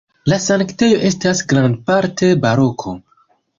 La sanktejo estas grandparte baroko.